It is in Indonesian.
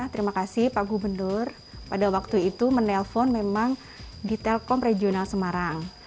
terima kasih pak gubernur pada waktu itu menelpon memang di telkom regional semarang